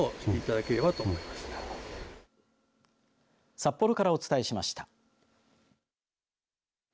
札幌からお伝えしました。